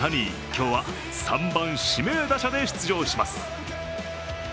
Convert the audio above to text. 今日は３番・指名打者で出場します。